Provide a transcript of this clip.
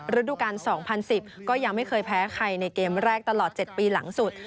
ฤดูการสองพันสิบก็ยังไม่เคยแพ้ใครในเกมแรกตลอดเจ็ดปีหลังสุด